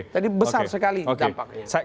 jadi besar sekali dampaknya